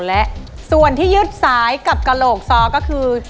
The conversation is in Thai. แล้ววันนี้ผมมีสิ่งหนึ่งนะครับเป็นตัวแทนกำลังใจจากผมเล็กน้อยครับ